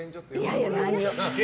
いやいや、何を。